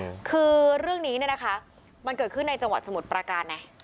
อืมคือเรื่องนี้เนี่ยนะคะมันเกิดขึ้นในจังหวัดสมุทรประการไง